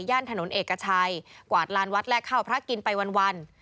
ถนนเอกชัยกวาดลานวัดแลกข้าวพระกินไปวัน